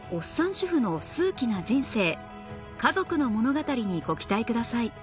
主婦の数奇な人生家族の物語にご期待ください